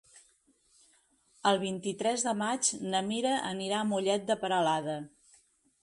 El vint-i-tres de maig na Mira anirà a Mollet de Peralada.